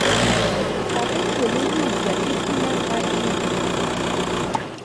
Ga re tlhole re utlwa le pula fa e na.